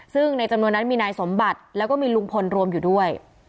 ซึ่งในจำนวนนั้นมีนายสมบัติแล้วก็มีลุงพลรวมอยู่ด้วย